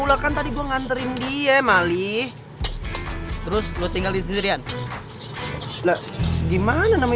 aku mau temenin mama